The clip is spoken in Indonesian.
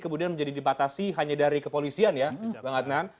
kemudian menjadi dibatasi hanya dari kepolisian ya bang adnan